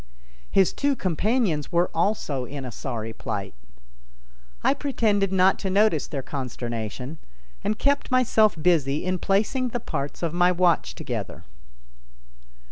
His two companions were also in a sorry plight. I pretended not to notice their consternation, and kept myself busy in placing the parts of my watch together.